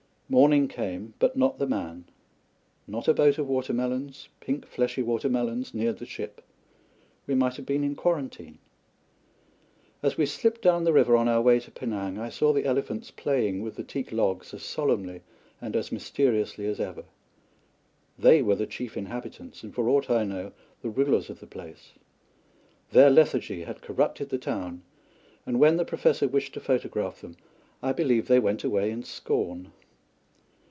Morning came, but not the man. Not a boat of watermelons, pink fleshy watermelons, neared the ship. We might have been in quarantine. As we slipped down the river on our way to Penang, I saw the elephants playing with the teak logs as solemnly and as mysteriously as ever. They were the chief inhabitants, and, for aught I know, the rulers of the place. Their lethargy had corrupted the town, and when the Professor wished to photograph them, I believe they went away in scorn.